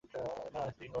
না, spring road ধর।